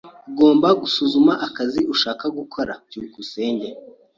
Ugomba gusuzuma akazi ushaka gukora. byukusenge